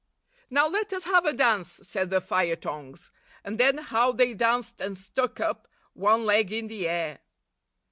'Now let us have a dance,' said the fire tongs ; and then how they danced and stuck up 197 one leg in the air!